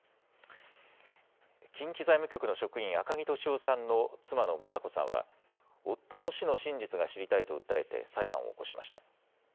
近畿財務局の職員、赤木俊夫さんの妻の雅子さんは、夫の死の真実が知りたいと訴えて裁判を起こしました。